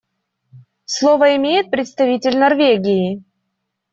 Слово имеет представитель Норвегии.